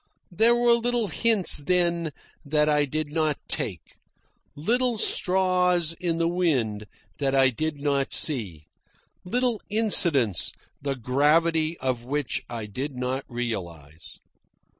There were little hints then that I did not take, little straws in the wind that I did not see, little incidents the gravity of which I did not realise.